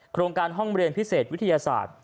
โครงการห้องเรียนพิเศษวิทยาศาสตร์